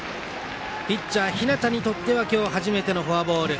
ピッチャー日當にとっては今日初めてのフォアボール。